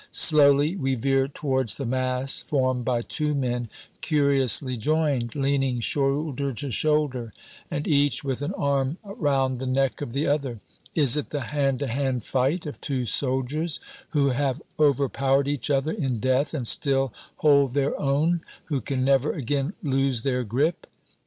Slowly we veer towards the mass formed by two men curiously joined, leaning shoulder to shoulder, and each with an arm round the neck of the other. Is it the hand to hand fight of two soldiers who have overpowered each other in death and still hold their own, who can never again lose their grip?